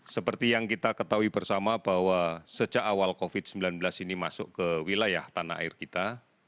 seperti yang kita ketahui bersama bahwa sejak awal covid sembilan belas ini masuk ke wilayah tanah air kita